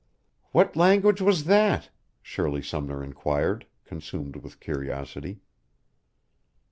"What language was that?" Shirley Sumner inquired, consumed with curiosity.